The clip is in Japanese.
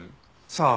「さあ」